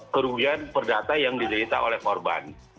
kerugian perdata yang diderita oleh korban